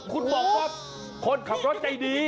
คุณบอกว่าคนขับรถใจดี